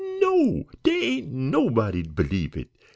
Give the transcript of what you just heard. No! dere ain't nobody 'd believe it.